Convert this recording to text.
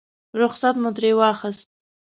رخصت مو ترې واخیست.